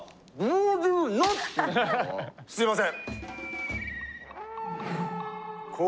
あのすいません